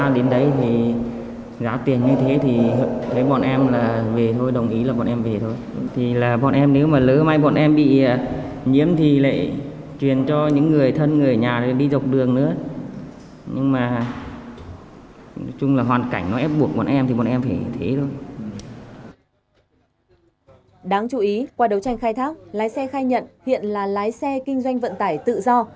đáng chú ý qua đầu tranh khai thác lái xe khai nhận hiện là lái xe kinh doanh vận tải tự do